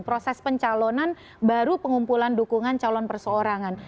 proses pencalonan baru pengumpulan dukungan calon perseorangan